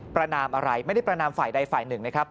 ประนามอะไรไม่ได้ประนามฝ่ายใดฝ่ายหนึ่งนะครับ